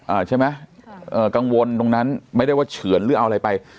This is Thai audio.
อ่าใช่ไหมเอ่อกังวลตรงนั้นไม่ได้ว่าเฉือนหรือเอาอะไรไป